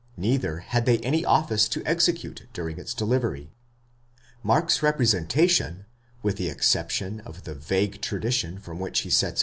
neither had they any office to execute during its delivery. Mark's representation, with the exception of the vague tradition from which he sets 17 De Wette, exeg.